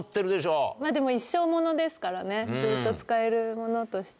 でも一生ものですからねずっと使えるものとしては。